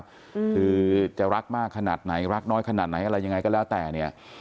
คือจะรักมากขนาดไหนรักน้อยขนาดไหนอะไรยังไงก็แล้วแต่เนี่ย